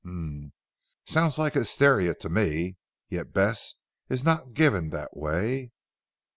"Humph! Sounds like hysteria to me. Yet Bess is not given that way."